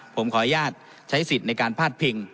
ผมขออนุญาตใช้สิทธิ์ในการพาดพิง